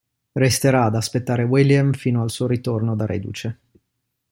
Resterà ad aspettare William fino al suo ritorno da reduce.